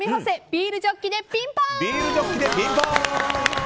ビールジョッキｄｅピンポン！